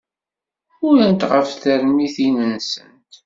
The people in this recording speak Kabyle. Urant ɣef termitin-nsent.